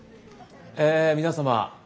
え皆様